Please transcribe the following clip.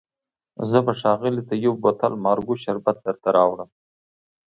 زه به ښاغلي ته یو بوتل مارګو شربت درته راوړم.